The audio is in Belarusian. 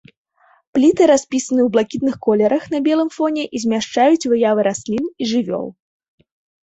Пліты распісаны ў блакітных колерах на белым фоне і змяшчаюць выявы раслін і жывёл.